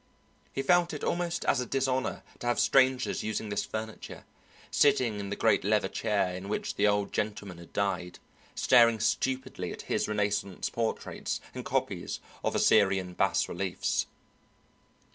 He felt it almost as a dishonour to have strangers using this furniture, sitting in the great leather chair in which the Old Gentleman had died, staring stupidly at his Renaissance portraits and copies of Assyrian bas reliefs.